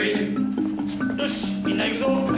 よしみんな行くぞ！